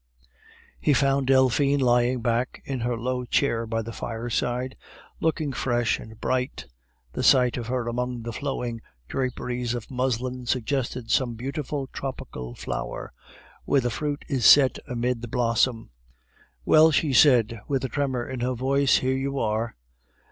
He found Delphine lying back in her low chair by the fireside, looking fresh and bright. The sight of her among the flowing draperies of muslin suggested some beautiful tropical flower, where the fruit is set amid the blossom. "Well," she said, with a tremor in her voice, "here you are."